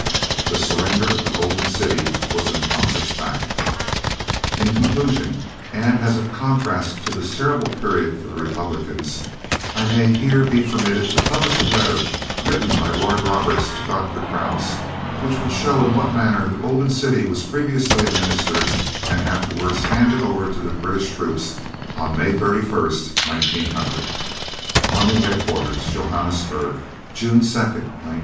The surrender of the Golden City was an accomplished fact! [Illustration: THE SURRENDER OF THE GOLDEN CITY] In conclusion, and as a contrast to this terrible period for the Republicans, I may here be permitted to publish a letter written by Lord Roberts to Dr. Krause, which will show in what manner the Golden City was previously administrated and afterwards handed over to the British troops on May 31st, 1900. "ARMY HEAD QUARTERS, "JOHANNESBURG, "_June 2nd, 1900.